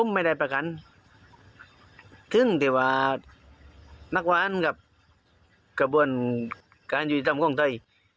ไม่ได้ประกันถึงที่ว่านักวานกับกระบวนการยุติธรรมของไทย